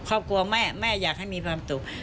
ครอบครัวแม่แม่อยากให้มีความสุข